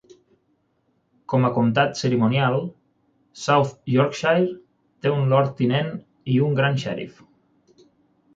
Com a comtat cerimonial, South Yorkshire té un Lord tinent i un gran xèrif.